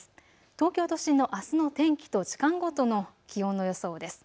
東京都心のあすの天気と時間ごとの気温の予想です。